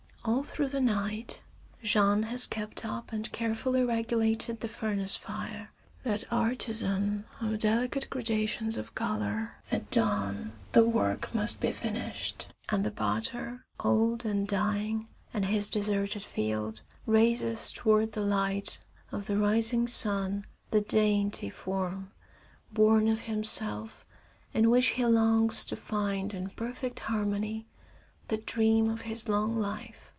All through the night Jean has kept up and carefully regulated the furnace fire, that artisan of delicate gradations of color. At dawn the work must be finished. And the potter, old and dying, in his deserted field, raises toward the light of the rising sun the dainty form, born of himself, in which he longs to find, in perfect harmony, the dream of his long life.